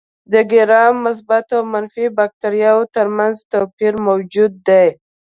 د ګرام مثبت او منفي باکتریاوو تر منځ توپیر موجود دی.